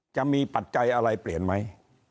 ปัจจัยอะไรเปลี่ยนไหม